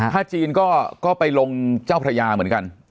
ถ้าจีนก็ไปลงเจ้าพระยาเหมือนกัน